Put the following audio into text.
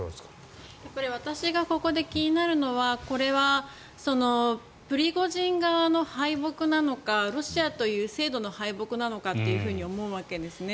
私がここで気になるのはこれはプリゴジン側の敗北なのかロシアという制度の敗北なのかと思うわけですね。